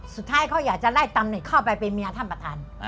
สุดท้ายเขาอยากจะไล่ตำเข้าไปเป็นเมียท่านประธาน